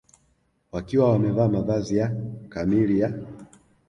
wakiwa wamevaa mavazi kamili ya